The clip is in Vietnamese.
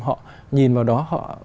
họ nhìn vào đó họ